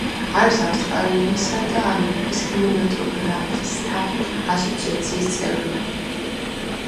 არის ავსტრალიისა და ამერიკის კინემატოგრაფისტთა ასოციაციების წევრი.